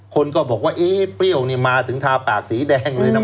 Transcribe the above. คนก็บอกว่าเอ๊ะเปรี้ยวนี่มาถึงทาปากสีแดงเลยนะ